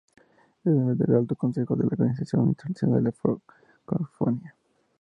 Es miembro de Alto Consejo de la Organización Internacional de la Francofonía.